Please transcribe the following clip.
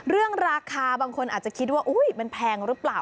เรื่องราคาบางคนอาจจะคิดว่ามันแพงหรือเปล่า